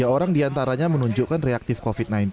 tiga orang diantaranya menunjukkan reaktif covid sembilan belas